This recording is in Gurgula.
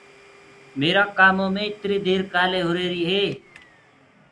ميرآ ڪآمو مي اِتري دير ڪآلي ڪررو هي۔